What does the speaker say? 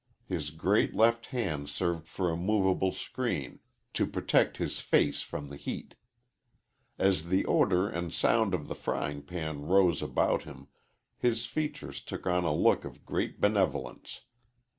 His great left hand served for a movable screen to protect his face from the heat. As the odor and sound of the frying rose about him, his features took on a look of great benevolence.